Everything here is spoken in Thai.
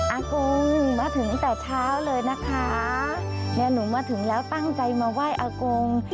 อากงมาถึงแต่เช้าเลยนะคะเนี่ยหนูมาถึงแล้วตั้งใจมาไหว้อากง